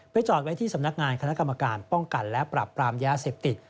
จอดไว้ที่สำนักงานคณะกรรมการป้องกันและปรับปรามยาเสพติด